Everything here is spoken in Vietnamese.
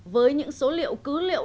với những số liệu cứ liệu